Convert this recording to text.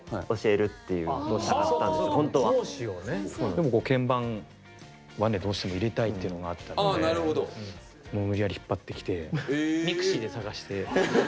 でも鍵盤はねどうしても入れたいっていうのがあったのでもう無理やり引っ張ってきてえｍｉｘｉで。